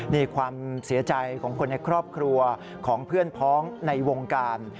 นี่ความเสียใจของคนในครอบครัวของเพื่อนพ้องในวงการ